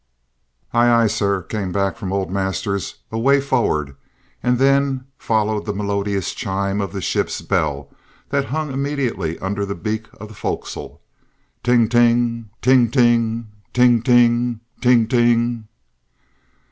"Aye, aye, sir," came back from old Masters away forward, and then followed the melodious chime of the ship's bell that hung immediately under the beak of the fo'c's'le. "Ting ting, ting ting, ting ting, ting ting."